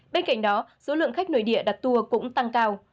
bên cạnh đó số lượng khách nội địa đặt tour cũng tăng cao